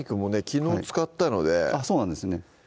昨日使ったのであっそうなんですね